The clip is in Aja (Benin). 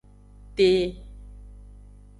Te.